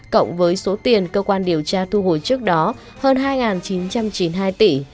cộng với số tiền cơ quan điều tra thu hồi trước đó hơn hai chín trăm chín mươi hai tỷ